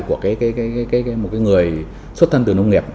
của một người xuất thân từ nông nghiệp